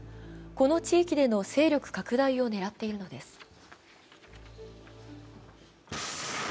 この地域での勢力拡大を狙っているのです。